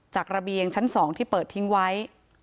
ระเบียงชั้น๒ที่เปิดทิ้งไว้